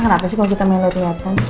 kenapa sih kalau kita melihat lihat kan